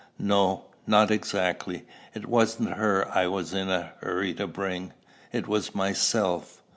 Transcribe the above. "No, not exactly. It wasn't her I was in a hurry to bring; it was myself."